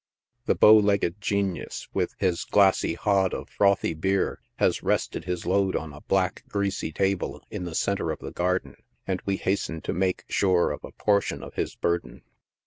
The bow legged genius, with his glassy hod of frothy beer, has rested his load on a black, greasy table, in the centre of the garden, and we hasten to make sure of a portion of his burden.